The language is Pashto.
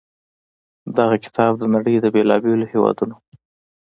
دغه کتاب د نړۍ د بېلا بېلو هېوادونو